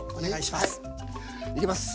いきます。